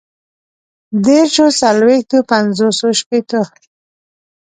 ديرشو، څلويښتو، پنځوسو، شپيتو